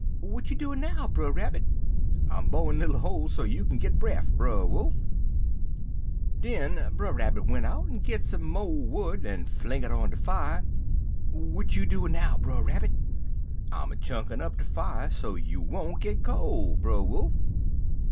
"'W'at you doin' now, Brer Rabbit?' "'I'm bo'in' little holes so you kin get bref, Brer Wolf.' "Den Brer Rabbit went out en git some mo' wood, en fling it on de fier. "'W'at you doin' now, Brer Rabbit?' "'I'm a chunkin' up de fier so you won't git col', Brer Wolf.'